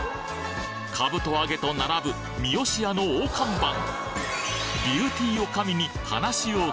かぶと揚げと並ぶみよしやの大看板